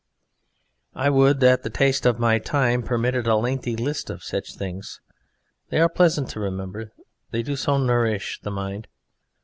I would that the taste of my time permitted a lengthy list of such things: they are pleasant to remember! They do so nourish the mind!